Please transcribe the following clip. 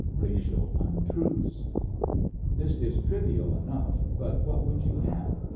RACIAL UNTRUTHS This is trivial enough, but what would you have?